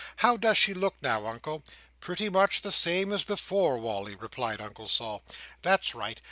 How does she look now, Uncle?" "Pretty much the same as before, Wally," replied Uncle Sol. "That's right.